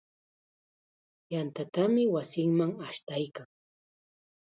Yantatam wasinman ashtaykan.